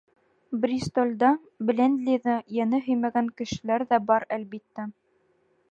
Бристолдә Блендлиҙы йәне һөймәгән кешеләр ҙә бар, әлбиттә.